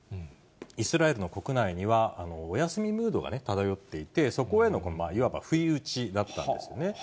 イスラエルの国内にはお休みムードが漂っていて、そこへのいわば不意打ちだったんですね。